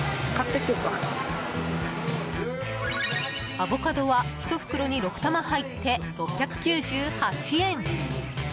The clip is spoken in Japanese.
アボカドは１袋に６玉入って６９８円。